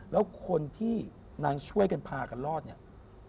แล้วคนที่นางช่วยกันพากันรอดเนี่ย